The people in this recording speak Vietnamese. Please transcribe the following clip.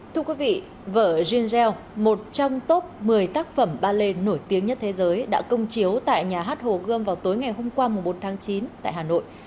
thưa quý vị vở jean gell một trong top một mươi tác phẩm ballet nổi tiếng nhất thế giới đã công chiếu tại nhà hát hồ gươm vào tối ngày hôm qua bốn tháng chín tại hà nội